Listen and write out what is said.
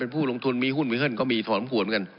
เป็นผู้ลงทุนมีหุ้นมีเหิ่นก็มีสวมหัวเหมือนกัน